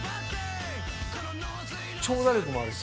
長打力もあるし。